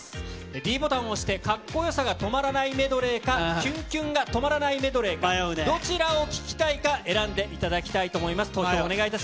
ｄボタンを押して、かっこよさが止まらないメドレーか、キュンキュンが止まらないメドレー、どちらを聴きたいか、選んでいただきたいと思います。